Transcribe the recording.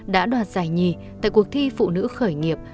đã đoạt giải nhì tại cuộc thi phụ nữ khởi nghiệp